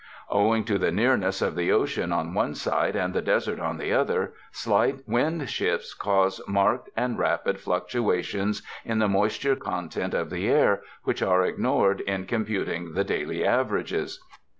Owing to the nearness of the ocean on one side and the desert on the other, slight wind shifts cause marked and rapid fluctuations in the moisture content of the air, which are ignored in computing the daily averages.